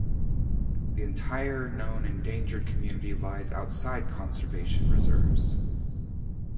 The entire known endangered community lies outside conservation reserves.